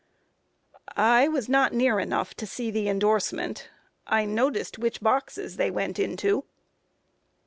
A. I was not near enough to see the endorsement; I noticed which boxes they went into.